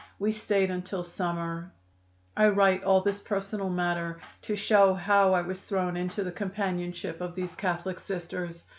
We stayed until summer. I write all this personal matter to show how I was thrown into the companionship of these Catholic Sisters.